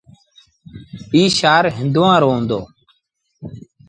ايٚ شآهر هُݩدوآن رو هُݩدو۔